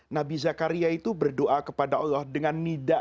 nabi zakaria itu berdoa kepada allah dengan nida